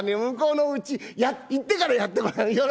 向こうのうち行ってからやってごらん。